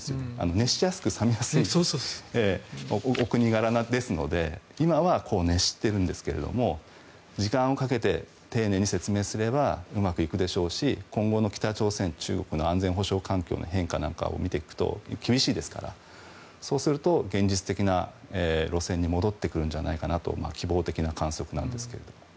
熱しやすく冷めやすいお国柄ですので今は熱しているんですけど時間をかけて丁寧に説明すればうまくいくでしょうし今後の北朝鮮、中国の安全保障環境の変化なんかを見ていくと厳しいですからそうすると現実的な路線に戻ってくるんじゃないかなと希望的な観測なんですが。